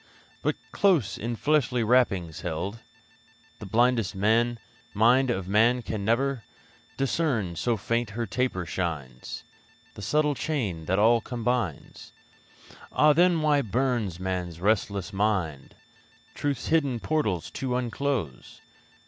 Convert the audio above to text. But, close in fleshly wrappings held, The blinded mind of man can never Discern so faint her taper shines The subtle chain that all combines? Ah! then why burns man's restless mind Truth's hidden portals to unclose?